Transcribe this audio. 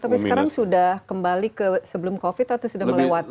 tapi sekarang sudah kembali ke sebelum covid atau sudah melewati